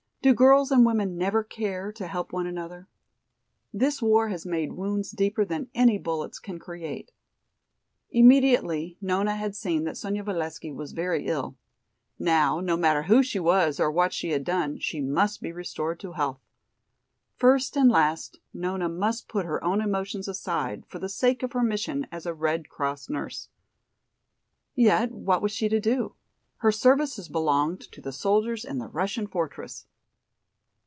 Do girls and women never care to help one another? This war has made wounds deeper than any bullets can create." Immediately Nona had seen that Sonya Valesky was very ill. Now, no matter who she was, or what she had done, she must be restored to health. First and last Nona must put her own emotions aside, for the sake of her mission as a Red Cross nurse. Yet what was she to do? Her services belonged to the soldiers in the Russian fortress.